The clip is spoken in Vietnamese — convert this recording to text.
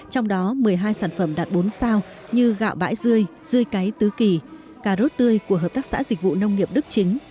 trong đó một mươi hai sản phẩm đạt bốn sao như gạo bãi rươi rươi cái tứ kỳ cà rốt tươi của hợp tác xã dịch vụ nông nghiệp đức chính